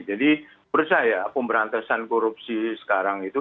jadi percaya pemberantasan korupsi sekarang itu